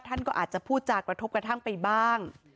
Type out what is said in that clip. ท่านก็อาจจะพูดจากกระทบกระทั่งไปบ้าง